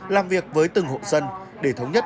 làm việc với từng hộ dân để thống nhất